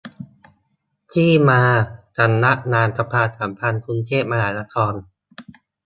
ที่มา : สำนักงานประชาสัมพันธ์ กรุงเทพมหานคร